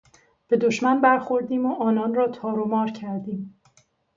به دشمن برخوردیم و آنان را تار و مار کردیم!